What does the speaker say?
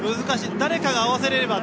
誰かが合わせられれば。